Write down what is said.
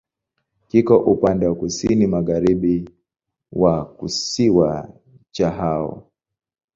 Kiko upande wa kusini-magharibi wa kisiwa cha Hao.